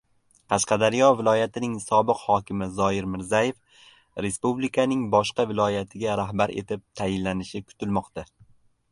Qashqadaryo viloyatining sobiq hokimi Zoyir Mirzayev respublikaning boshqa viloyatiga rahbar etib tayinlanishi kutilmoqda.